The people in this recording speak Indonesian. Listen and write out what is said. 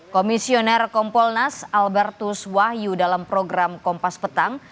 komisioner kompolnas albertus wahyu dalam program kompas petang